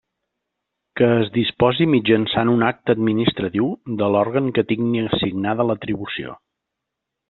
Que es disposi mitjançant un acte administratiu de l'òrgan que tingui assignada l'atribució.